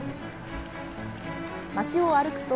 町を歩くと。